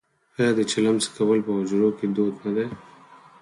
آیا د چلم څکول په حجرو کې دود نه دی؟